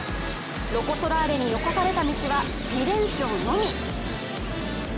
ロコ・ソラーレに残された道は２連勝のみ。